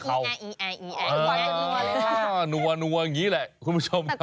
อ้าวนัวอย่างนี้แหละคุณผู้ชมครับ